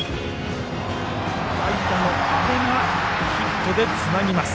代打の阿部がヒットでつなぎます。